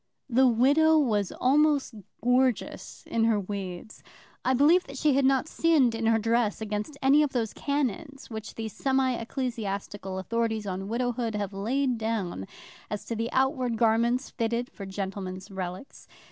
The widow was almost gorgeous in her weeds. I believe that she had not sinned in her dress against any of those canons which the semi ecclesiastical authorities on widowhood have laid down as to the outward garments fitted for gentlemen's relicts.